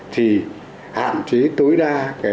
thì hạn chế tối đa